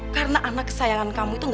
karena anak kesayangan kamu itu tak ada